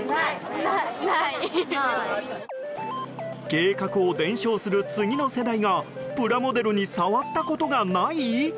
計画を伝承する次の世代がプラモデルに触ったことがない。